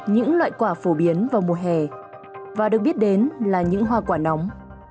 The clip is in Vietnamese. những loại quả phổ biến vào mùa hè và được biết đến là những hoa quả nóng